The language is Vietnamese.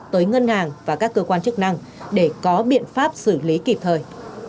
tới ngân hàng và các cơ quan chức năng để có biện pháp xử lý kịp thời